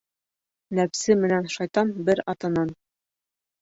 Нәпсе менән шайтан бер атанан.